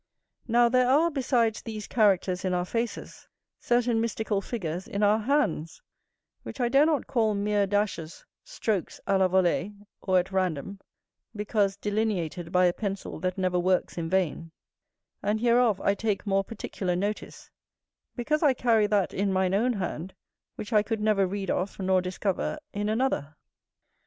Now, there are, besides these characters in our faces, certain mystical figures in our hands, which I dare not call mere dashes, strokes à la volee or at random, because delineated by a pencil that never works in vain; and hereof I take more particular notice, because I carry that in mine own hand which I could never read of nor discover in another.